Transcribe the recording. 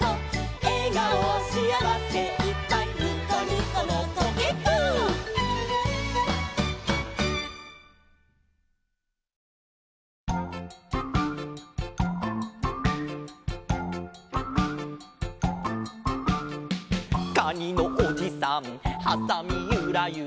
「えがおしあわせいっぱいにこにこのコケッコー」「カニのおじさんはさみゆらゆら」